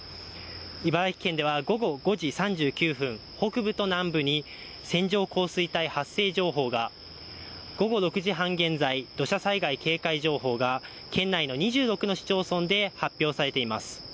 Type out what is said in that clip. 茨城県では午後５時３９分、北部と南部に線状降水帯発生情報が、午後６時半現在、土砂災害警戒情報が県内の２６の市町村で発表されています。